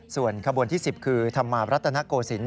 ส่วนขบวนที่๑๐คือธรรมารัตนโกศิลป